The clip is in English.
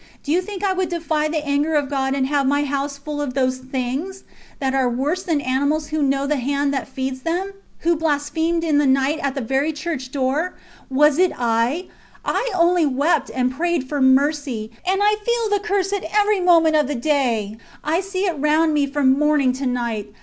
Do you think I would defy the anger of God and have my house full of those things that are worse than animals who know the hand that feeds them? Who blasphemed in the night at the very church door? Was it I? ... I only wept and prayed for mercy ... and I feel the curse at every moment of the day I see it round me from morning to night